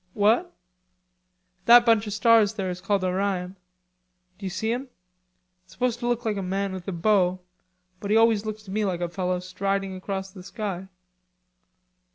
"What?" "That bunch of stars there is called Orion. D'you see 'em. It's supposed to look like a man with a bow, but he always looks to me like a fellow striding across the sky."